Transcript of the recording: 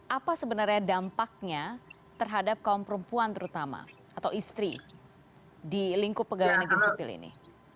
apa sebenarnya dampaknya terhadap kaum perempuan terutama atau istri di lingkup pegawai negeri sipil ini